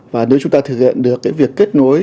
và nếu chúng ta thực hiện được cái việc kết nối